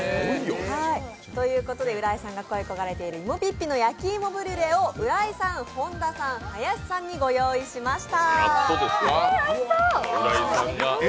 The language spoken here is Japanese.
ということで浦井さんが恋い焦がれている芋ぴっぴの焼き芋ブリュレを浦井さん、本田さん、林さんにご用意しました。